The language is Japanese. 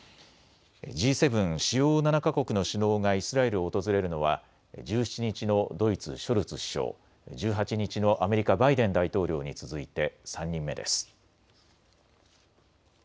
Ｇ７・主要７か国の首脳がイスラエルを訪れるのは１７日のドイツ、ショルツ首相、１８日のアメリカ、バイデン大統領に続いて３人目です。